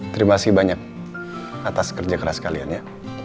terima kasih banyak atas kerja keras kalian ya